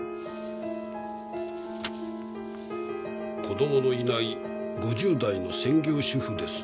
「子供のいない五十代の専業主婦です」